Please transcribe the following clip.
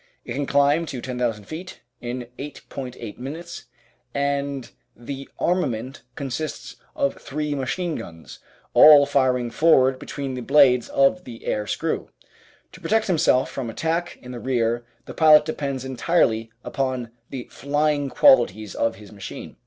It can climb to 10,000 feet in 8.8 minutes, and the armament consists of three machine guns, all firing forward be tween the blades of the air screw. To protect himself from attack in the rear the pilot depends entirely upon the flying qualities of his machine.